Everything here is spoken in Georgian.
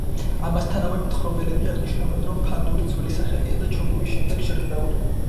ამასთანავე, მთხრობელები აღნიშნავენ, რომ „ფანდური“ ძველი სახელია და „ჩონგური“ შემდეგ შერქმეული.